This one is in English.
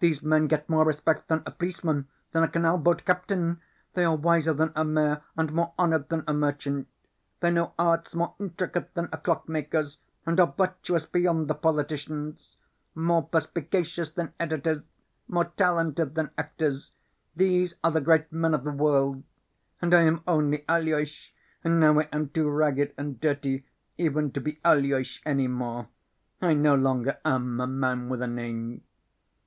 These men get more respect than a policeman, than a canal boat captain. They are wiser than a mayor and more honored than a merchant. They know arts more intricate than a clock maker's and are virtuous beyond the politicians. More perspicacious than editors, more talented than actors, these are the great men of the world. And I am only Aloys, and now I am too ragged and dirty even to be Aloys any more. I no longer am a man with a name."